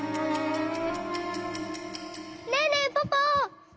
ねえねえポポ！